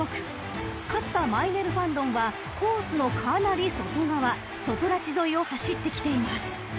［勝ったマイネルファンロンはコースのかなり外側外ラチ沿いを走ってきています］